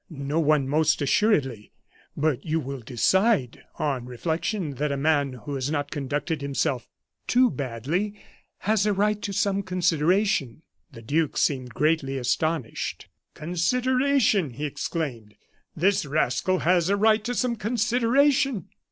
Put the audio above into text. "No one, most assuredly. But you will decide, on reflection, that a man who has not conducted himself too badly has a right to some consideration." The duke seemed greatly astonished. "Consideration!" he exclaimed. "This rascal has a right to some consideration!